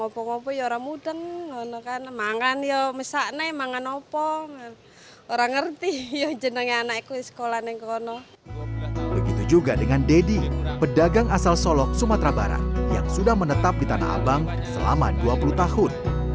begitu juga dengan deddy pedagang asal solok sumatera barat yang sudah menetap di tanah abang selama dua puluh tahun